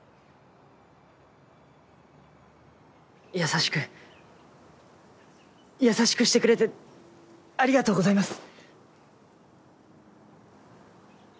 優しく優しくしてくれてありがとうございます！